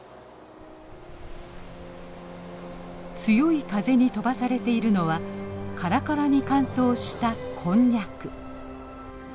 強い風に飛ばされているのはカラカラに乾燥したこんにゃく。